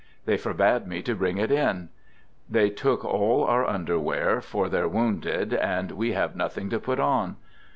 They forbade me to bring it in. They took all our underwear for their wounded and we have nothing to put on.